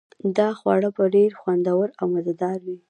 دا خواړه به ډیر خوندور او مزه دار وي